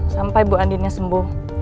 sampai bu andiennya sembuh